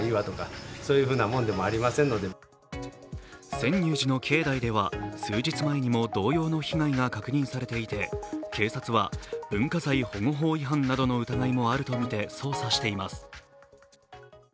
泉涌寺の境内では数日前にも同様の被害が確認されていて、警察は文化財保護法違反などの疑いもあるとみて捜査しています。